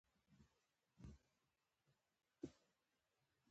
هیڅ خبرې مه کوه، یوازې استراحت وکړه او ارام واخلې.